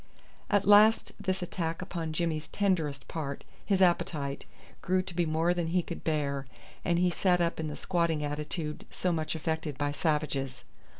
At last this attack upon Jimmy's tenderest part his appetite grew to be more than he could bear, and he sat up in the squatting attitude so much affected by savages.